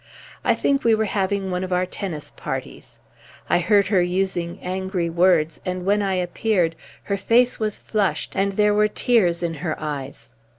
I think we were having one of our tennis parties. I heard her using angry words, and when I appeared her face was flushed and there were tears in her eyes.